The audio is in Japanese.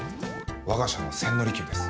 我が社の千利休です。